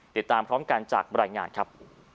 ติดตามพร้อมกันจากบรรยายงานครับ